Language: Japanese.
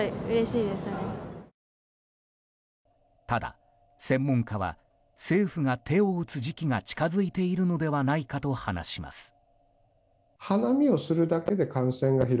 ただ、専門家は政府が手を打つ時期が近づいているのではないかと話します。